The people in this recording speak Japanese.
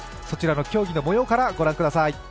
そちらの競技の模様から御覧ください。